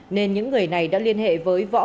nên những người này đã liên hệ với võ